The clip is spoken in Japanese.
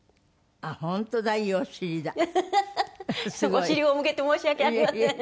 お尻を向けて申し訳ありません。